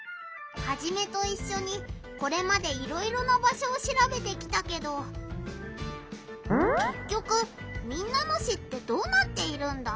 ハジメといっしょにこれまでいろいろな場所をしらべてきたけどけっきょく民奈野市ってどうなっているんだ？